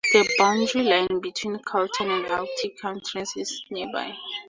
The boundary line between Carlton and Aitkin counties is nearby.